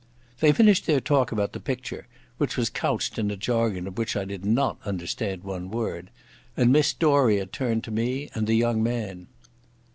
They finished their talk about the picture—which was couched in a jargon of which I did not understand one word—and Miss Doria turned to me and the young man.